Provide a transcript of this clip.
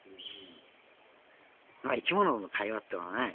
生き物の会話っていうのはね